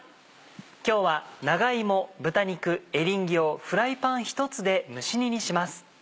今日は長芋豚肉エリンギをフライパン１つで蒸し煮にします。